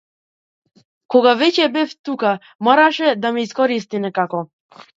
Кога веќе бев тука мораше да ме искористи некако.